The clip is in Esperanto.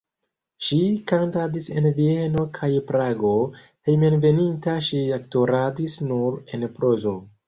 Ŝi kantadis en Vieno kaj Prago, hejmenveninta ŝi aktoradis nur en prozo.